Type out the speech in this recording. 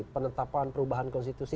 penetapan perubahan konstitusi